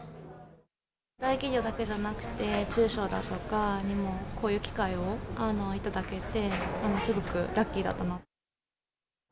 大企業だけじゃなくて、中小だとかにもこういう機会を頂けて、すごくラッキーだったなと。